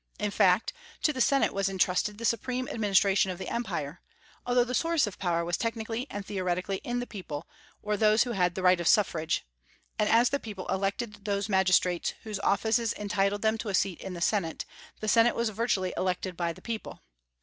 In fact, to the Senate was intrusted the supreme administration of the Empire, although the source of power was technically and theoretically in the people, or those who had the right of suffrage; and as the people elected those magistrates whose offices entitled them to a seat in the Senate, the Senate was virtually elected by the people.